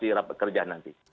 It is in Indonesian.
di rapat kerja nanti